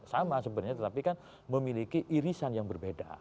sama sebenarnya tetapi kan memiliki irisan yang berbeda